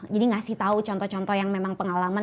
jadi ngasih tau contoh contoh yang memang pengalaman